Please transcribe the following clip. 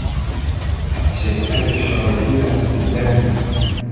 از شدت شادی رقصیدن